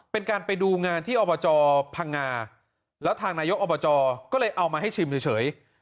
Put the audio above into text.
เป็นการไปดูงานที่อบจพังงาแล้วทางนายกอบจก็เลยเอามาให้ชิมเฉย